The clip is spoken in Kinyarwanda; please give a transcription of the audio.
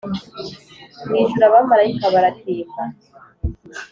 mu ijuru abamarayika bararirimba